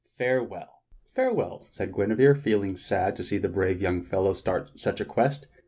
Farewell." "Farewell," said Guinevere, feeling sad to see the brave young fellow start on such a quest.